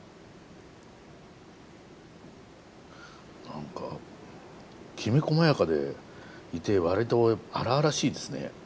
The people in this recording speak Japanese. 何かきめこまやかでいてわりと荒々しいですね。